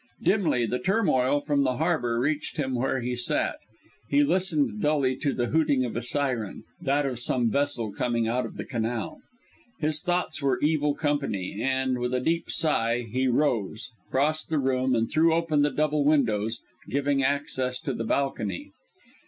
Dimly, the turmoil from the harbour reached him where he sat. He listened dully to the hooting of a syren that of some vessel coming out of the canal. His thoughts were evil company, and, with a deep sigh, he rose, crossed the room and threw open the double windows, giving access to the balcony.